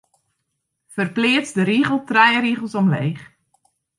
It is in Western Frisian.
Ferpleats de rigel trije rigels omleech.